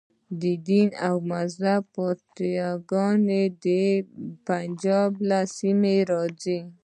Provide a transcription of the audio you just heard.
د دین او مذهب فتواګانې د پنجاب له سیمو راځي.